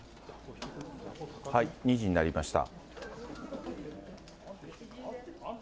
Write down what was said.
２時になりました。